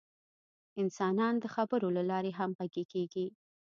انسانان د خبرو له لارې همغږي کېږي.